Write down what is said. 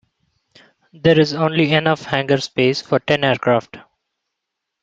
There is only enough hangar space for ten aircraft.